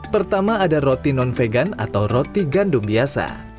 pertama ada roti non vegan atau roti gandum biasa